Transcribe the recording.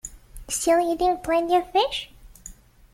Still eating plenty of fish?